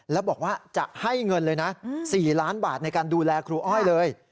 แล้วบอกว่าจะให้เงินเลยนะ๔ล้านบาทในการดูแลครูอ้อยเลย